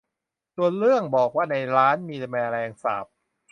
ส่วนเรื่องบอกว่าในร้านมีแมลงสาบ